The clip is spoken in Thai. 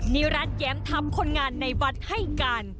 นิรัติแย้มธรรมคนงานในวัดให้การ